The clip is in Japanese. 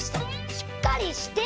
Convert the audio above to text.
しっかりして！